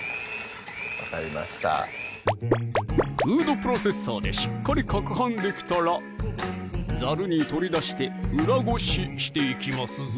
分かりましたフードプロセッサーでしっかりかくはんできたらザルに取り出して裏ごししていきますぞ